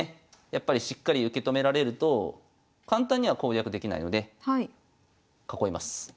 やっぱりしっかり受け止められると簡単には攻略できないので囲います。